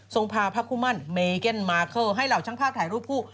ทรงพาภาพคู่มั่นเมเกิ้ลมาร์คเกิ้ลให้เหล่าช่างภาพถ่ายรูปผู้